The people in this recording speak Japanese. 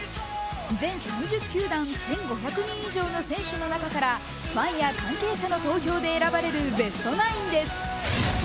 全３０球団１５００人以上の選手の中からファンや関係者の投票で選ばれるベストナインです。